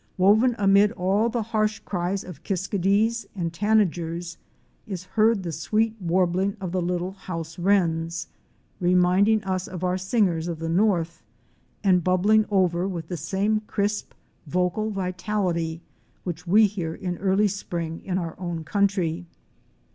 Woven amid all the harsh cries of Kiskadees and Tana gers is heard the sweet warbling of the little House Wrens, reminding us of our singers of the North, and bubbling over with the same crisp, vocal vitality which we hear in early Spring in our own country.